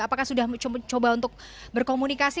apakah sudah mencoba untuk berkomunikasi